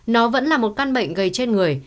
nó vẫn là một căn bệnh gây trên người